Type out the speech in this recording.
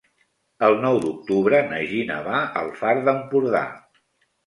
El nou d'octubre na Gina va al Far d'Empordà.